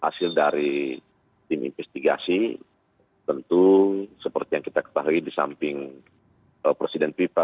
hasil dari tim investigasi tentu seperti yang kita ketahui di samping presiden fifa